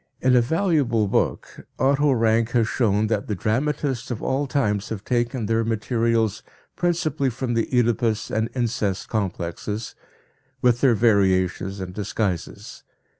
In a valuable book, Otto Rank has shown that the dramatists of all times have taken their materials principally from the Oedipus and incest complexes, with their variations and disguises.